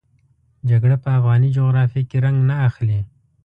جګړه په افغاني جغرافیه کې رنګ نه اخلي.